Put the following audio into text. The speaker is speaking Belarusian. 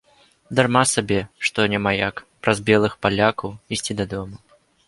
Дарма сабе, што няма як, праз белых палякаў, ісці дадому.